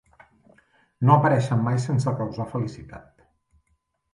No apareixen mai sense causar felicitat.